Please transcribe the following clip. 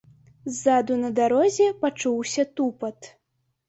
Ззаду на дарозе пачуўся тупат.